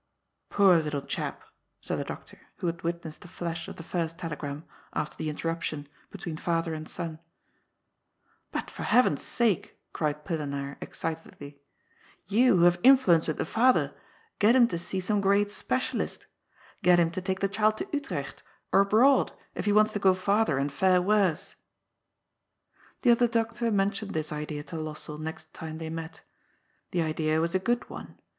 '' Poor little chap !" said the doctor who had witnessed the flash of the first telegram, after the interruption, be tween father and son. But, for Heayen's sake," cried Pillenaar excitedly, " you, who haye influence with the father, get him to see some great specialist Get him to take the child to Utrecht, or abroad, if he wants to go farther and fare worse." The other doctor mentioned this idea to Lossell next time they met. The idea was a good one.